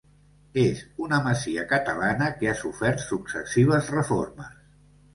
És una masia catalana que ha sofert successives reformes.